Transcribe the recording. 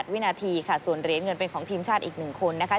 ๑๑๗๘วินาทีค่ะส่วนเรียนเงินเป็นของทีมชาติอีกหนึ่งคนนะคะ